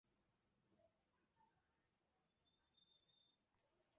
此技术允许用户将计算机的固态硬盘当做硬盘和内存之间的高速缓存内存。